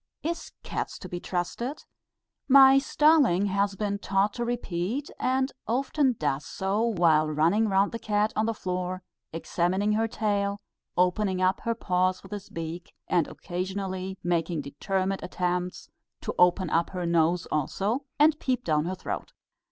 "Is cats to be trusted?" my starling has been taught to repeat, and often does so while running round the cat on the floor, examining her tail, opening up her paws with his beak, and occasionally making determined attempts to open up her nose also, and peep down her throat.